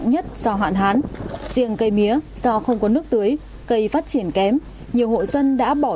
nhất do hạn hán riêng cây mía do không có nước tưới cây phát triển kém nhiều hộ dân đã bỏ